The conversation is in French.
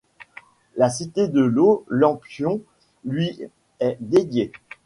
La Cité de l'eau d'Amphion lui est dédiée.